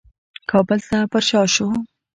کابل ته پرشا شو.